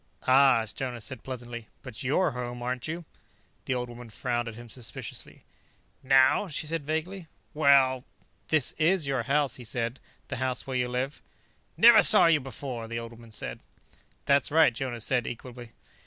"Ah," Jonas said pleasantly. "But you're home, aren't you?" The old woman frowned at him suspiciously. "Now," she said vaguely. "Well." "This is your house?" he said. "The house where you live?" "Never saw you before," the old woman said. "That's right," Jonas said equably.